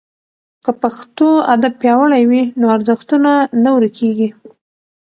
که پښتو ادب پیاوړی وي نو ارزښتونه نه ورکېږي.